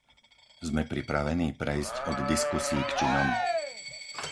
Sme pripravení prejsť od diskusií k činom?